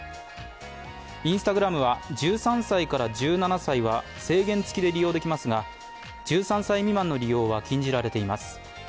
Ｉｎｓｔａｇｒａｍは１３歳から１７歳は制限付きで利用できますが１３歳未満の利用は禁じられています。